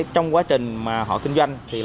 trong quá trình họ kinh doanh